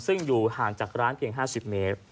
ซึ่งอยู่ห่างจากร้านเพียง๕๐เมตร